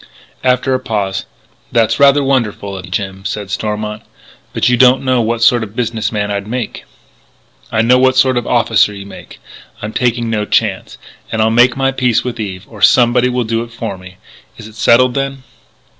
After a pause: "That's rather wonderful of you, Jim," said Stormont, "but you don't know what sort of business man I'd make " "I know what sort of officer you made.... I'm taking no chance.... And I'll make my peace with Eve or somebody will do it for me.... Is it settled then?"